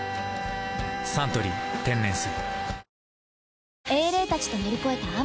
「サントリー天然水」